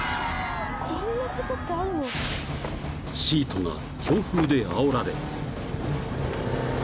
［シートが強風であおられ］